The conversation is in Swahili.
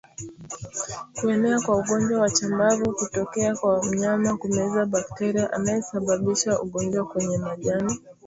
Kuenea kwa ugonjwa wa chambavu hutokea kwa mnyama kumeza bakteria anayesababisha ugonjwa kwenye majani